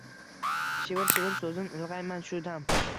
Shivir-shivir so’zin ilg’ayman shu dam: